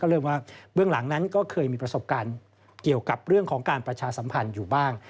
เริ่มว่าเบื้องหลังนั้นก็เคยมีประสบการณ์เกี่ยวกับเรื่องของการประชาสัมพันธ์อยู่บ้าง